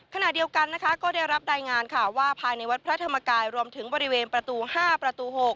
ขณะเดียวกันนะคะก็ได้รับรายงานค่ะว่าภายในวัดพระธรรมกายรวมถึงบริเวณประตู๕ประตู๖